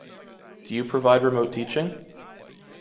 Do you provide remote teaching?